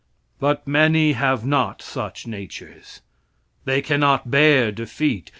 But many have not such natures. They cannot bear defeat.